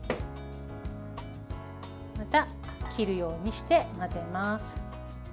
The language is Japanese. また、切るようにして混ぜます。